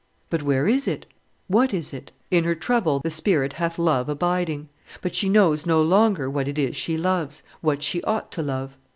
But where is it? What is it? In her trouble the spirit hath love abiding; but she knows no longer what it is she loves, what she ought to love.